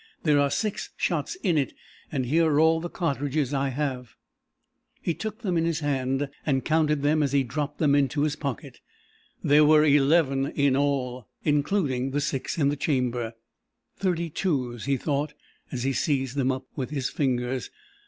"There are six shots in it, and here are all the cartridges I have." He took them in his hand and counted them as he dropped them into his pocket. There were eleven in all, including the six in the chamber. "Thirty twos," he thought, as he seized them up with his fingers.